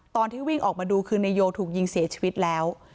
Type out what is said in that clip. ตอนที่วิ่งออกมาดูคือนายโยถูกยิงเสียชีวิตแล้ว